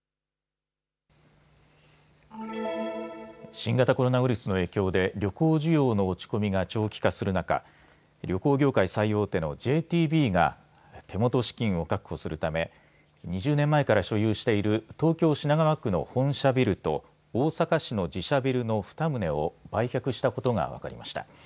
新型コロナウイルスの影響で旅行需要の落ち込みが長期化する中、旅行業界最大手のＪＴＢが手元資金を確保するため２０年前から所有している東京品川区の本社ビルと大阪市の自社ビルの２棟を売却したことが分かりました。